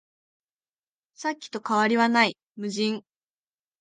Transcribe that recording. さっきと変わりはない、無人